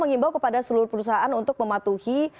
mengimbau kepada seluruh perusahaan untuk mematuhi